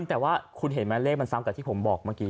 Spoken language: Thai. แต่ว่าคุณเห็นมั้ยมันเหมือนมันซ้ำกับที่ผมบอกเมื่อกี้